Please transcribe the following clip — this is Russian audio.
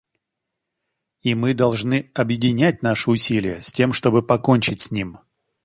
И мы должны объединять наши усилия, с тем чтобы покончить с ним.